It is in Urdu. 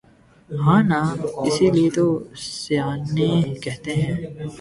ہاں نا اسی لئے تو سیانے کہتے ہیں